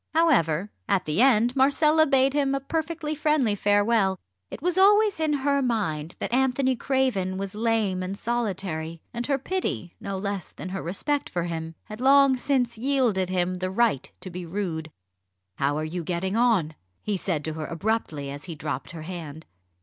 However, at the end, Marcella bade him a perfectly friendly farewell. It was always in her mind that Anthony Craven was lame and solitary, and her pity no less than her respect for him had long since yielded him the right to be rude. "How are you getting on?" he said to her abruptly as he dropped her hand.